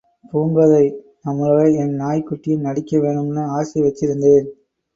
பூங்கோதை, நம்பளோடே என் நாய்க்குட்டியும் நடிக்க வேணுமின்னு ஆசை வைச்சிருந்தேன்.